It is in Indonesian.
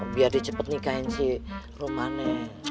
biar dia cepat nikahin si romana